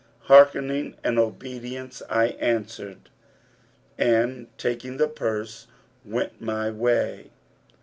'Hearkening and obedience,' answered I and taking the purse, went my way.